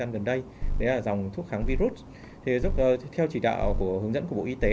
đó là dòng thuốc kháng virus để điều trị covid một mươi chín